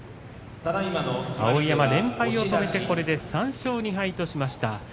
碧山は２連敗を止めてこれで３勝２敗としました。